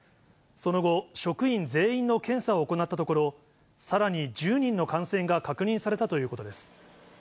その後、職員全員の検査を行ったところ、さらに１０人の感染が確認されたということです。